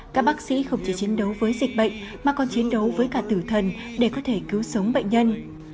các bác sĩ không chỉ chiến đấu với dịch bệnh mà còn chiến đấu với cả tử thần để có thể cứu sống bệnh nhân